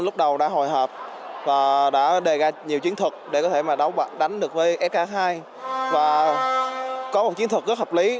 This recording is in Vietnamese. chúng ta có thể đánh được sk h hai và có một chiến thuật rất hợp lý